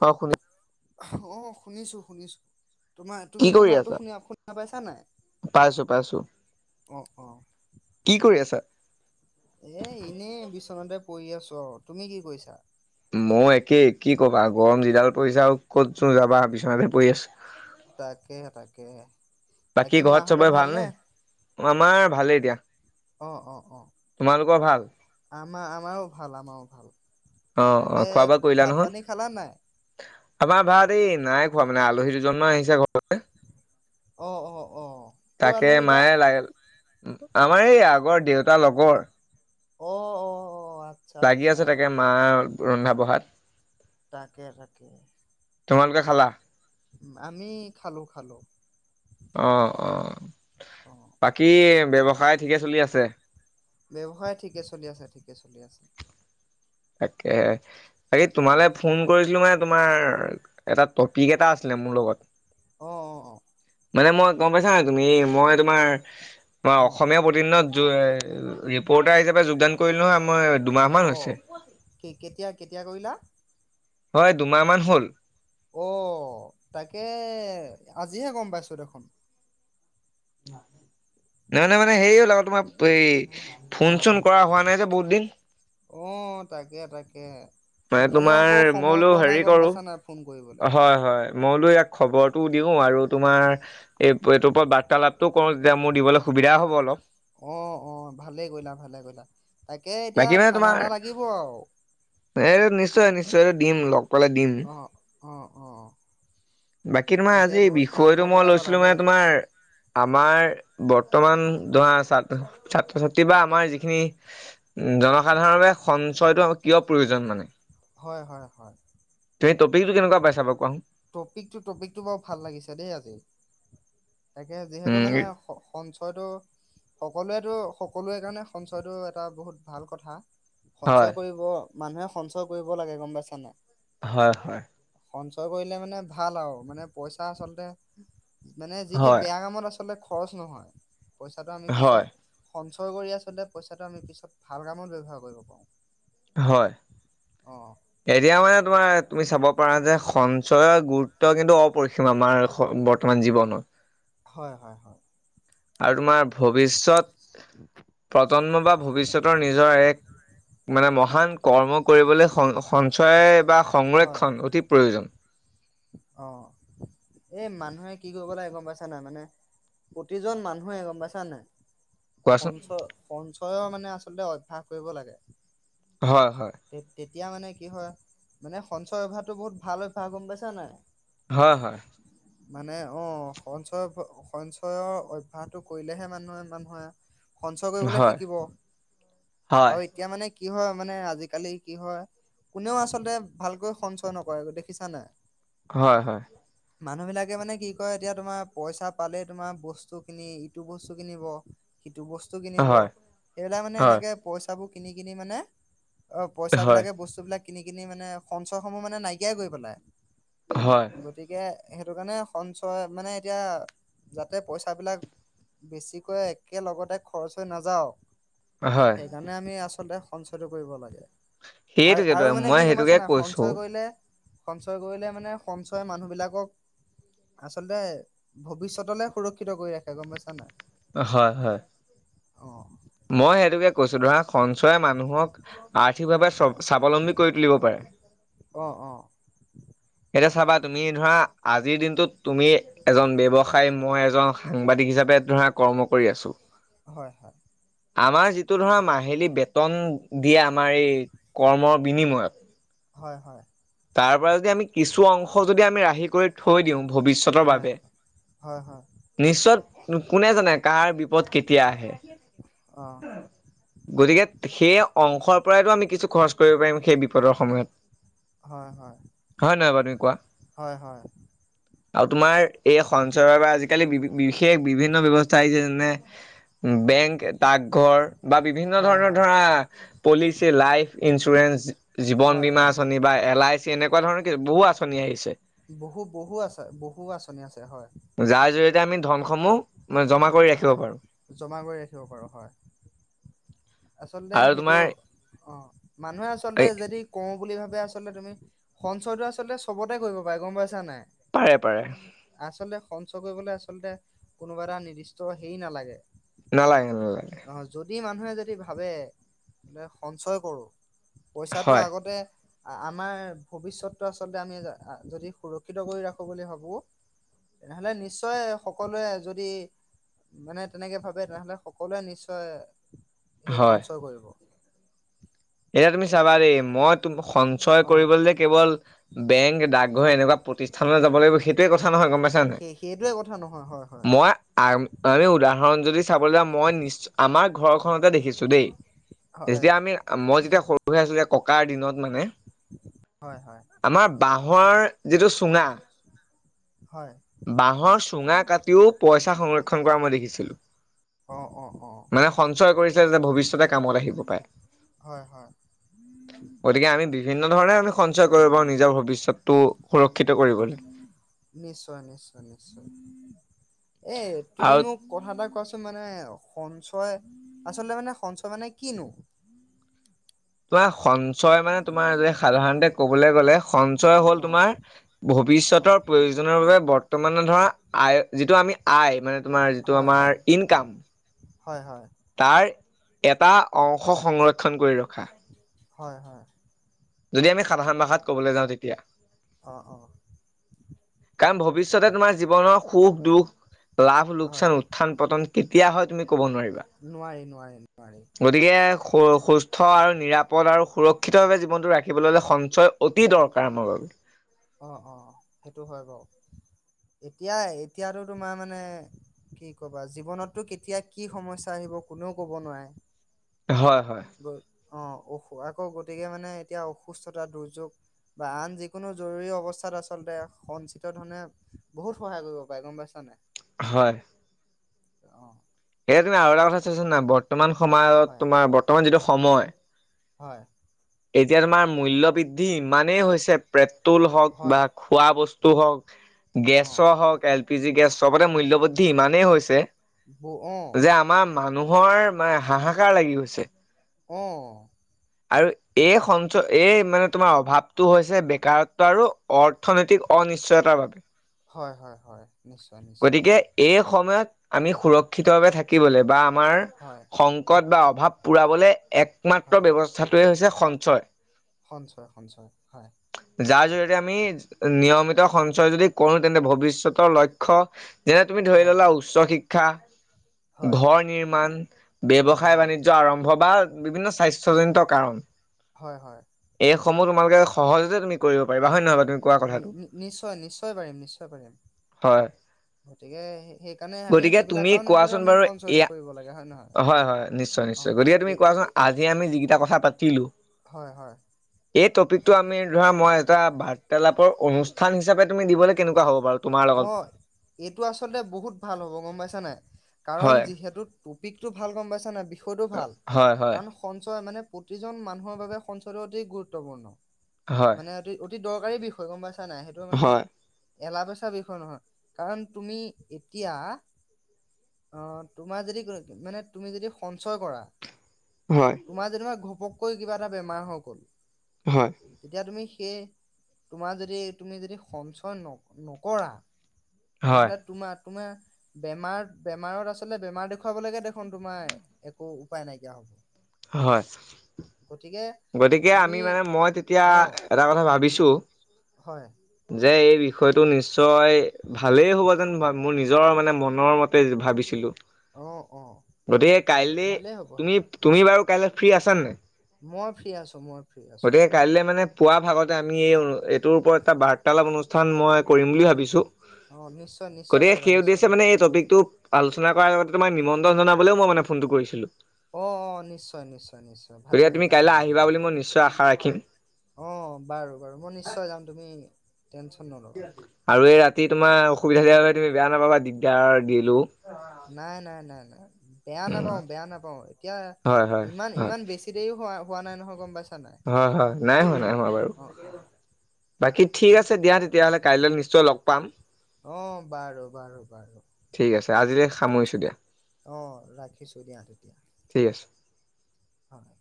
কওক আপুনি অ', শুনিছোঁ শুনিছোঁ। তোমাৰ তুমি কি মোৰ কৰি মাতটো আছা শুনি শুনা পাইছা নাই? পাইছো পাইছো অ', অ'। কি কৰি আছা? এ, ইনেই বিচনাতে পৰি আছোঁ আৰু, তুমি কি কৰিছা? মইয়ো একেই কি কবা গৰম যিডাল পৰিছা আৰু ক'তনো যাবা বিছনতে পৰি আছোঁ। তাকেহে, তাকেহে। বাকী ঘৰত চবেই ভালনে? আমাৰ ভালেই দিয়া। অ', অ', অ'। তোমালোকৰ ভাল? আমাৰ আমাৰো ভাল, আমাৰো ভাল। অ অ তাকে খোৱা বোৱা কৰিলা ভাত নহয়? পানী খালা নাই? আমাৰ ভাত এই নাই খোৱা মানে আলহী দুজন মান আহিছে ঘৰলে। অ', অ', অ'। কৰ তাকে আলহী বা মায়ে লাগে, আমাৰ এই আগৰ দেউতাৰ লগৰ। অ', অ', অ', আত্ লাগি আছে তাকে মা ৰন্ধা বঢ়াত। তাকে, তাকে। তোমালোকে খালা? আমি খালোঁ, খালোঁ। অ', অ', অ বাকী ব্যৱসায় ঠিকে চলি আছে? ব্যৱসায় ঠিকে চলি আছে, ঠিকে চলি আছে। তাকেহে, বাকি অ তোমালে ফোন কৰিছিলোঁ মানে তোমাৰ এটা টপিক এটা আছিলে মোৰ লগত। অ', অ', অ'। মানে মই গম পাইছা নাই তুমি এই, মই তোমাৰ তোমাৰ অ অসমীয়া অ প্ৰতি দিনত যো এ, ৰিপৰ্টাৰ হিচাপে যোগদান কৰিলোঁ নহয় মই দুমাহ মান হৈছে। কি কেতিয়া, কেতিয়া কৰিলা? হয়, দুমাহমান হ'ল। অ', তাকে আজিহে গম পাইছোঁ দেখোঁন। নহয় নে মানে হেৰি হ'ল আকৌ তোমাৰ এই ফোন অ' চোন কৰা হোৱা নাই যে বহুত দিন। অ', তাকে, তাকে। মানে ময়ো আকৌ তোমাৰ মই সময় বোলো পোৱা নাই হেৰি গম কৰোঁ, পাইছা নাই ফোন কৰিবলৈ হয়, হয়। মই বোলো ইয়াক খবৰটোও দিওঁ, আৰু তোমাৰ এই এইটোৰ ওপৰত বাৰ্তালাপটো কওঁ যে মোৰ দিৱলৈ সুবিধা হ'ব অলপ। অ অ ভালে কৰিলা ভালে কৰিলা। তাকে এতিয়া বাকী মানে খানা তোমাৰ এটা লাগিব আও। এই নিশ্চয় নিশ্চয় দিম লগ। পালে দিম অঁ অঁ অঁ বাকী তোমাৰ আজি বিষয়টো মই পালা লৈছিলো দেই মানে তোমাৰ- আমাৰ বৰ্তমান অ' ধৰা ছাত ছাত্ৰ ছাত্ৰী বা আমাৰ যিখিনি- উম জনসাধাৰণে সঞ্চয়টো কিয় প্ৰয়োজন মানে? হয় হয় হয়। সেই টপিকটো কেনেকুৱা পাইছা বাৰু কোৱাচোন? টপিকটো টপিকটো বাৰু ভাল লাগিছে দেই আজি। তাকে যিহেতু উম মানে সঞ্চয়টো- সকলোৱেতো সকলোৱে কাৰণে সঞ্চয়টো এটা বহুত ভাল কথা। হয় সঞ্চয় কৰিব- মানুহে সঞ্চয় কৰিব লাগে। গম পাইছানে নাই? হয় হয়। সঞ্চয় কৰিলে মানে ভাল আৰু। মানে পইচা আচলতে- মানে যিটি হয় বেয়া কামত আচলতে খৰচ নহয়। পইচাটো আমি হয় পিছত- সঞ্চয় কৰি আচলতে পইচাটো আমি পিছত ভাল কামত ব্যৱহাৰ কৰিব পাৰোঁ। হয়। অঁ এতিয়া মানে তোমাৰ তুমি চাব পাৰা যে সঞ্চয়ৰ গুৰুত্ব কিন্তু অপৰিসীম। আমাৰ- বৰ্তমান জীৱনত। হয় হয় হয়। আৰু তোমাৰ ভৱিষ্যত প্ৰজন্ম বা ভৱিষ্যতৰ নিজৰ এক- মানে মহান কৰ্ম কৰিবলৈ স সঞ্চয় বা হয় সংৰক্ষণ অতি প্ৰয়োজন। অ এই মানুহে কি কৰিব লাগে গম পাইছা নাই? মানে- প্ৰতিজন মানুহে, গম পাইছা নাই? কোৱাচোন সঞ্চ সঞ্চয় মানে আচলতে অভ্যাস কৰিব লাগে। হয় হয়। তে তেতিয়া মানে কি হয় মানে সঞ্চয় অভ্যাসতটো বহুত ভাল অভ্যাস গম পাইছা নাই? হয় হয়। মানে অ সঞ্চয়- সঞ্চয়ৰ অভ্যয়াসটো কৰিলেহে মানুহে ইমান- সঞ্চয় কৰিবলৈ হয় শিকিব। হয় আৰু এতিয়া মানে কি হয়? মানে আজিকালি কি হয়? কোনেও আচলতে ভালকৈ সঞ্চয় নকৰে গ দেখিছা নাই? হয় হয়। মানুহবিলাকে মানে কি কয় এতিয়া তোমাৰ পইচা পালে তোমাৰ বস্তু কিনি ইটো বস্তু কিনিব। সিটো বস্তু কিনিব হয় সেইবিলাই মানে এনেকে পইচাবোৰ কিনি কিনি মানে- অ পইচা হয় বিলাকে বস্তু বিলাক কিনি কিনি মানে সঞ্চয়সমূহ মানে নাইকিয়াই কৰি পেলাই। হয়। গতিকে সেইটো কাৰণে সঞ্চয় মানে এতিয়া যাতে পইচাবিলাক- বেছিকৈ একেলগতে খৰচ হৈ নাযাও। হয়। জানে আমি আচলতে সঞ্চয়টো কৰিব লাগে। আ সেইটোকেতো আৰু মানে মই কি সেইটোকে গমাইছে নাই? কৈছো সঞ্চয় কৰিলে সঞ্চয় কৰিলে- মানে সঞ্চয় মানুহবিলাকক - আচলতে ভৱিষ্যতলে সুৰক্ষিত কৰি ৰাখে। গম পাইছা নে? হয় হয়। অ'। মই সেইটোকে কৈছো ধৰা, সঞ্চয় মানুহক আৰ্থিকভাৱে অ', স-স্বাৱলম্বী কৰি তুলিব পাৰে। অ' অ'। এতিয়া চাবা তুমি ধৰা আজিৰ দিনটোত তুমি এজন ব্যৱসায়, মই এজন সাংবাদিক হিচাপে ধৰা কৰ্ম কৰি আছো। হয় হয়। আমাৰ যিটো ধৰা মাহিলী বেতন দিয়ে, আমাৰ এই কৰ্মৰ বিনিময়ত। হয় হয়। তাৰ পৰা যদি আমি কিছু অংশ যদি আমি ৰাহি কৰি থৈ দিওঁ ভৱিষ্যতৰ হয়, বাবে। হয় হয়। নিশ্চয়! কোনে জানে কাৰ বিপদ কেতিয়া আহে? অ', গতিকে, সেই অংশৰ পৰাইটো আমি কিছু খৰচ কৰিব পাৰিম সেই বিপদৰ সময়ত। হয় হয়। হয় নহয় বাৰু তুমি কোৱা? হয়, হয়, আৰু তোমাৰ এই সঞ্চয়ৰ পৰা আজিকালি বি বিশেষ বিভিন্ন ব্যৱস্থা আহিছে। যেনে অ', বেংক, ডাকঘৰ বা বিভিন্ন হয়, ধৰণৰ হয়, ধৰা পলিচি, লাইফ ইঞ্চুৰেন্ঞ্চ, জীৱন হয়, বীমা হয়, আঁচনি, বা এল আই চি, এনেকুৱা ধৰণৰ কি বহু আঁচনি আহিছে। বহু বহু আছে, বহু আঁচনি আছে হয়। যাৰ জৰিয়তে আমি ধনসমূহ জমা কৰি হয় ৰাখিব পাৰোঁ। জমা কৰি ৰাখিব পাৰো। হয়! আচলতে আৰু সেইটো তোমাৰ অ' মানুহে এ আচলতে যদি কৰো বুলি ভাবে আচলতে তুমি সঞ্চয়টো আচলতে চবতে কৰিব পাৰে। গম পাইছা নে? পাৰে পাৰে। আচলতে সঞ্চয় কৰিবলে আচলতে কোনোবা এটা নিৰ্দিষ্ট হেৰি নালাগে। নালাগে নালাগে। নহয়, যদি মানুহে যদি ভাবে সঞ্চয় কৰো। পইচাটো হয় আগতে আমাৰ ভৱিষ্যতটো আচলতে আমি যদি সুৰক্ষিত কৰি ৰাখো বুলি ভাবো। তেনেহ'লে নিশ্চয় সকলোৱে যদি মানে তেনেকে ভাবে, তেনেহ'লে সকলোৱে নিশ্চয় সেই হয়। সঞ্চয় কৰিব। এতিয়া তুমি চাবা দেই! মই সঞ্চয় অ কৰিবলে কেৱল বেংক, ডাকঘৰ এনেকুৱা প্ৰতিষ্ঠানলৈ যাব লাগিব সেই সেইটোৱেই কথা নহয়। গম পাইছা নে নাই? সেই সেইটোৱে কথা নহয় হয় হয় মই আ তাৰে উদাহৰণ যদি চাবলে যাওঁ, মই নি্চ আমাৰ ঘৰখনতে দেখিছো। দেই হয় যেতিয়া আমি মই যেতিয়া সৰু আছিলো যে ককাৰ দিনত মানে। হয় হয় আমাৰ বাঁহৰ যিটো চুঙা। হয়। বাঁহৰ চুঙা কাটিও পইচা সংৰক্ষণ কৰা মই দেখিছিলো। অ' অ' অ'। মানে সঞ্চয় কৰিছে যে ভৱিষ্যতে কামত আহিব পাৰে। হয় হয়। [unintelligible] গতিকে আমি বিভিন্ন ধৰণে আমি সঞ্চয় কৰিব নিজৰ ভৱিষ্যতটো সুৰক্ষিত কৰিবলে। নিশ্চয়, নিশ্চ, য় নিশ্চয়। এই তুমি আৰু মোক কথা এটা কোৱাচোন মানে সঞ্চয়, আচলতে মানে সঞ্চয় মানে কিনো? তোমাৰ সঞ্চয় মানে তোমাৰ যে সাধাৰণতে ক'বলৈ গ'লে সন্ ঞ্চয় হ'ল অ তোমাৰ, অ ভৱিষ্যতৰ প্ৰয়োজনৰ বাবে বৰ্ত বৰ্তমানে ধৰা আয় যিটো আমি আয়, মানে তোমাৰ যিটো হয়, আমাৰ হয়। ইনকাম হয়, হয়। তাৰ এটা অংশ সংৰক্ষণ কৰি ৰখা। হয়, হয়। যদি আমি সাধাৰণ ভাষাত ক'বলৈ যাওঁ তেতিয়া। অ', অ'। কাৰণ ভৱিষ্যতে তোমাৰ জীৱনৰ সুখ দুখ, লাভ লোকচান, উত্থান পতন কেতিয়া হয় তুমি ক'ব নোৱাৰিবা নোঁৱাৰি, নোঁৱাৰি নোঁৱাৰি। গতিকে স-সুস্থ আৰু নিৰাপদ আৰু সুৰক্ষিতভাৱে জীৱনটো ৰাখিবলৈ হ'লে, সন্ সঞ্চয় অতি দৰকাৰ [unintelligible] অ', অ', সেইটো হয় বাৰু। এতিয়া, এতিয়াতো তোমাৰ মানে কি কবা জীৱনতটো কেতিয়া কি সমস্যা আহিব কোনেও ক'ব নোৱাৰে। হয়, হয়। অ', অসু আকৌ গতিকে মানে এতিয়া অসুস্থতা দুৰ্যোগ বা আন যিকোনো জৰুৰী অৱস্থাত আচলতে সঞ্চিত ধনে বহুত সহায় ক'ৰিব পাৰে গম পাইছা নাই? হয়। অ'। সেয়া তুমি আৰু এটা কথা চাইছা নাই? বৰ্তমান সমা হয় তোমাৰ বৰ্তমান যিটো সময়। হয়। এতিয়া তোমাৰ মূ্ল্য বৃদ্ধি ইমানেই হৈছে পেট্ৰল হওঁক বা হয় খোৱা বস্তু হওঁক, অ গেছৰ হওক এল পি জি গেছ চবতে মূল্য বৃদ্ধি ইমানেই হৈছে, ব অ যে আমাৰ মানুহৰ হাহাকাৰ লাগি গৈছে। অ'। আৰু এই সঞ্চয় এই মানে তোমাৰ অভাৱটো হৈছে বেকাৰত্ব আৰু অৰ্থনৈতিক অনিশ্চয়তাৰ বাবে। হয়, হয়, হয়। নিশ্চয়। নিশ্চয় গতিকে এই সময়ত আমি সুৰক্ষিতভাৱে থাকিবলৈ, বা আমাৰ হয়। সংকট বা অভাৱ পুৰাবলৈ হয় একমাত্ৰ ব্যৱস্থাটোৱে হৈছে সঞ্চয়। সঞ্চয়, সঞ্চয়, হয়। যাৰ জৰিয়তে আমি নিয়মিত সঞ্চয় যদি কৰোঁ তেন্তে ভৱিষ্যতৰ লক্ষ্য যেনে তুমি ধৰি হয় ল'লা উচ্চ শিক্ষা। হয় ঘৰ নিৰ্মাণ, হয় ব্যৱসায় হয় বাণিজ্য আৰম্ভ বা বিভিন্ন স্বাস্থ জনিত কাৰণ। হয়, হয়। এইসমূহ তোমালোকে সহজতে তুমি কৰিব পাৰিবা। হয় নহয় নহয় তুমি কোৱা নি কথাটো? নি নিশ্চয়, নিশ্চয়, পাৰিম নিশ্চয়, পাৰিম। হয়। গতিকে সেইকাৰণে আমি গতিকে সেইবিলাক তুমি কাৰণেতো কোৱাচোন আমি বাৰু এয়া সঞ্চয় কৰিব লাগে। হয় নে নহয়? হয় হয় নিশ্চয় অ নিশ্চয়। গতিকে তুমি কোৱাচোন এ আজি আমি যিকেইটা কথা পাতিলো- হয় হয়। এই টপিকতটো আমি ধৰা মই এটা বাৰ্তালাপৰ অনুষ্ঠান হিচাপে তুমি দিবলৈ কেনেকুৱা হ'ব বাৰু? তোমাৰ লগত অ এইটো আচলতে বহুত ভাল হ'ব গম পাইছা নাই? কাৰণ হয় যিহেতু- টপিকতটো ভাল গম পাইছা নাই? বিষয়টো ভাল। হয় হয় কাৰণ- সঞ্চয় মানে প্ৰতিজন মানুহৰ বাবে সঞ্চয়টো অতি গুৰুত্বপূৰ্ণ। হয় মানে- অতি অতি দৰকাৰী বিষয়, গম পাইছা নাই? সেইটো মানে হয় এলা পেচ- আ বিষয় নহয়। কাৰণ তুমি এতিয়া- অ তোমাৰ যদি মানে তুমি যদি সঞ্চয় কৰা। হয়। তোমাৰ যেনিবা ঘপকৈ কিবা এটা বেমাৰ হয় গ'ল। হয়। তেতিয়া তুমি সেই তোমাৰ যদি তুমি যদি সঞ্চয় ন নকৰা- হয়, তেনেহলে তোমাৰ তোমাৰ বেমাৰ বেমাৰত আচনে বেমাৰ দেখুৱাবলে দেখোন তোমাৰ- একো উপাই নাইকিয়া হ'ব। হয়। গতিকে- গতিকে তুমি আমি মানে মই তেতিয়া অ' এটা কথা ভাবিছো, - হয়। যে এই বিষয়টো নিশ্চয়- ভালেই হ'ব যেন বা মোৰ নিজৰ মানে মনৰ মতে ভাবিছিলো। অ' অ' গতিকে ভালে কাইলে ভালেই হ'ব তুমি সেইটো। তুমি বাৰু কাইলে ফ্ৰী আছা নে নাই? মই ফ্ৰী আছো মই। ফ্ৰী আছো গতিকে- কাইলৈ মানে পুৱা ভাগতে আমি এইটোৰ ওপৰত এটা বাৰ্তালাপ অনুষ্ঠান মই কৰিম বুলি ভাবিছো। অ' নিশ্চয় নিশ্চয় গতিকে পাৰিবা সেই নিশ্চয় উদ্দেশ্যে মানে পাৰিবা এই টপিকটো- আলোচনা কৰাৰ আগত তোমাৰ নিমন্ত্ৰণ জনাবলৈও মই মানে ফোনটো কৰিছিলো। অ অ নিশ্চয় নিশ্চয় নিশ্চয় ভালে গতিকে তুমি কৰিলা কাইলৈ ভালে আহিবা কৰিলা। বুলি মই নিশ্চয় আশা ৰাখিম। অ' বাৰু বাৰু মই নিশ্চয় যাম, তুমি টেনচন নল'বা। আৰু এই ৰাতি তোমাৰ অসুবিধা দিয়াবাবে তুমি বেয়া নাপাবা, দিগদাৰ দিলো। নাই, নাই, নাই, নাই বেয়া উম, নাপাওঁ বেয়া নাপাওঁ এতিয়া হয়, হয়, ইমান হয়, ইমান বেছ- ছি দেৰিও হোৱা হোৱা নাই নহয় গ'ম পাইচো। হয়, হয় নাই হোৱা নাই হোৱা বাৰু। অ' বাকী ঠিক আছে দিয়া তেতিয়াহ'লে কাইলৈ নিশ্চয় লগ পাম। অ বাৰু বাৰু বাৰু ঠিক আছে আজিলে সামৰিছোঁ দিয়া। অ' ৰাখিছো দিয়া তেতিয়া ঠিক আছে। হলে। অঁ